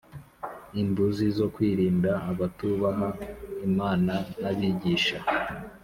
Imbuzi zo kwirinda abatubaha Imana n abigisha